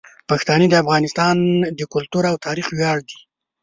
پښتانه د افغانستان د کلتور او تاریخ ویاړ دي.